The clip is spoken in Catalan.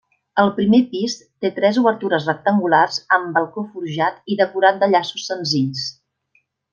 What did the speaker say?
El primer pis té tres obertures rectangulars amb balcó forjat i decorat de llaços senzills.